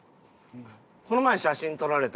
この前写真撮られた